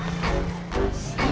ya stop sini pak